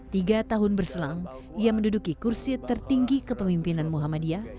tiga tahun berselang ia menduduki kursi tertinggi kepemimpinan muhammadiyah